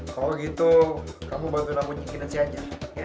kalau gitu kamu bantu nabungin kita si anjar ya